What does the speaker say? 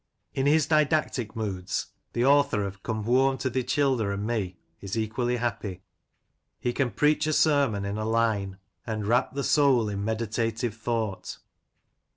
In his didactic moods the author of '* Come whoam to thi Childer and me " is equally happy. He can preach a sermon in a line, And wrap the soul in meditative thought.